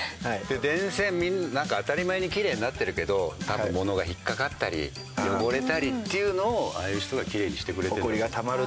電線当たり前にきれいになってるけど多分物が引っかかったり汚れたりっていうのをああいう人がきれいにしてくれてるのよ。